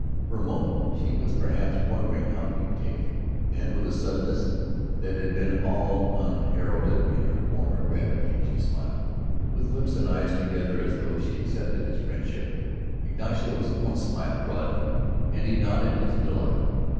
For a moment she was perhaps wondering how to take him; then with a suddenness that had been all unheralded in her former gravity, she smiled. With lips and eyes together as though she accepted his friendship. Ignacio's own smile broadened and he nodded his delight.